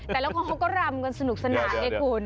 แต่ก็รำกันสนุกสนานให้คุณ